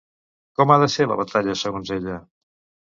Com ha de ser la batalla segons ella?